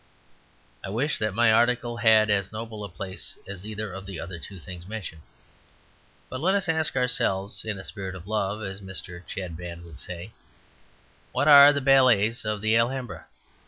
I wish that my articles had as noble a place as either of the other two things mentioned. But let us ask ourselves (in a spirit of love, as Mr. Chadband would say), what are the ballets of the Alhambra?